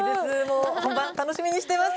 本番、楽しみにしてます。